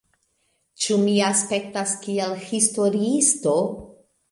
Ĉu mi aspektas kiel historiisto?